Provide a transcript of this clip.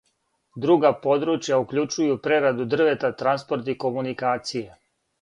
Друга подручја укључују прераду дрвета, транспорт и комуникације.